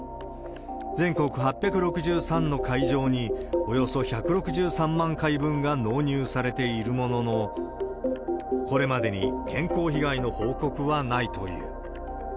全国８６３の会場におよそ１６３万回分が納入されているものの、これまでに健康被害の報告はないという。